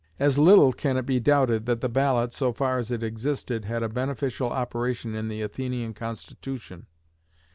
As little can it be doubted that the ballot, so far as it existed, had a beneficial operation in the Athenian constitution.